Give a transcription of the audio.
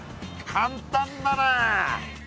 簡単だな。